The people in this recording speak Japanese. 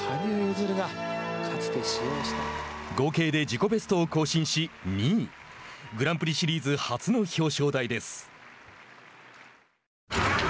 合計で自己ベストを更新し２位グランプリシリーズ初の表彰台です。